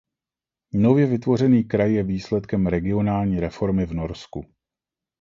Nově vytvořený kraj je výsledkem regionální reformy v Norsku.